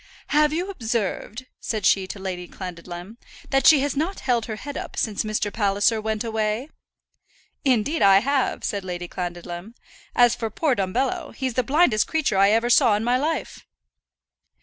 "Have you observed," said she to Lady Clandidlem, "that she has not held her head up since Mr. Palliser went away?" "Indeed I have," said Lady Clandidlem. "As for poor Dumbello, he's the blindest creature I ever saw in my life."